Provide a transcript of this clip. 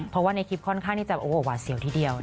เพราะว่าในคลิปค่อนข้างที่จะหวาดเสียวทีเดียว